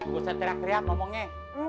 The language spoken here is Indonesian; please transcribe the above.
gua cak teriak teriak ngomongnya